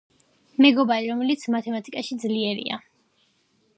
მეგობარი რომელიც მათემატიკაში ძლიერია.